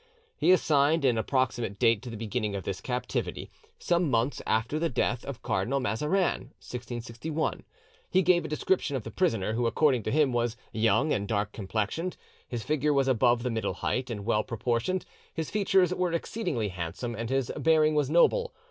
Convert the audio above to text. He assigned an approximate date to the beginning of this captivity, "some months after the death of Cardinal Mazarin" (1661); he gave a description of the prisoner, who according to him was "young and dark complexioned; his figure was above the middle height and well proportioned; his features were exceedingly handsome, and his bearing was noble.